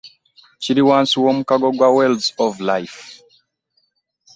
Kiri wansi w'omukago gwa Wells of Life.